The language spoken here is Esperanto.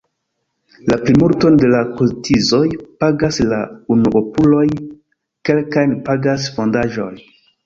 La plimulton de la kotizoj pagas la unuopuloj, kelkajn pagas fondaĵoj.